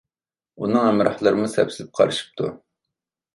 ئۇنىڭ ھەمراھلىرىمۇ سەپسېلىپ قارىشىپتۇ.